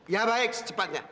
ya baik secepatnya